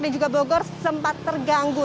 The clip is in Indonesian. dan juga bogor sempat terganggu